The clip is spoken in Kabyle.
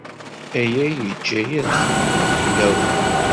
Aya yeǧǧa-iyi ad xemmemeɣ fell-awen.